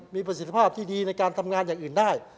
มีประสิทธิภาพที่ดีในการทำงานอย่างอื่นได้